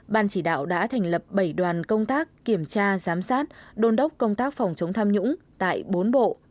ban chỉ đạo đã thành lập bảy đoàn công tác kiểm tra giám sát đôn đốc công tác phòng chống tham nhũng tại bốn bộ